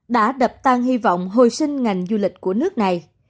đã đập tan hy vọng hồi sinh ngành du lịch của nước này